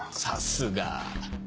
さすが。